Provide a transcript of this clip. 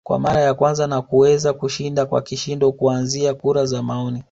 kwa mara ya kwanza na kuweza kushinda kwa kishindo kuanzia kura za maoni